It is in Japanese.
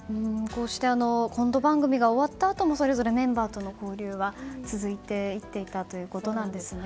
こうしてコント番組が終わったあともメンバーとの交流は続いていたということなんですね。